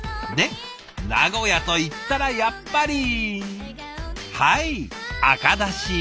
で名古屋といったらやっぱりはい赤だし。